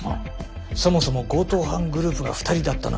そもそも強盗犯グループが２人だったのは間違いないか？